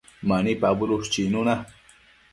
Mani pabudush chicnuna